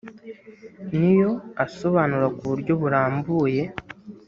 ni yo asobanura ku buryo burambuye